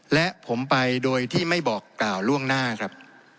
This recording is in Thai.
และผมไปโดยที่ไม่บอกกล่าวล่วงหน้าครับ